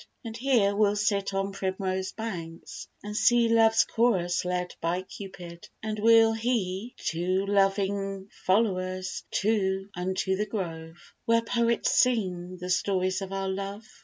And here we'll sit on primrose banks, and see Love's chorus led by Cupid; and we'll he Two loving followers too unto the grove, Where poets sing the stories of our love.